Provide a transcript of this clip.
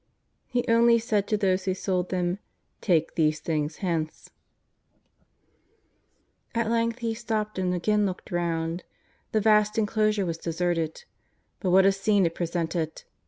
He only said to those who sold them :" Take these things hence." 148 JESUS OF NAZARETH. At length He stopped and again looked round. The vast enclosure was deserted, but what a scene it pre sented